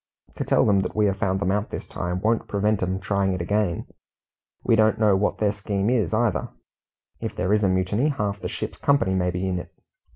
To tell them that we have found them out this time won't prevent 'em trying it again. We don't know what their scheme is either. If it is a mutiny, half the ship's company may be in it.